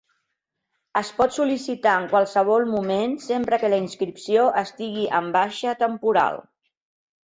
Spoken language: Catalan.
Es pot sol·licitar en qualsevol moment sempre que la inscripció estigui en baixa temporal.